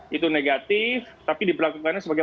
gitu negatif dan diperlakukan sebagai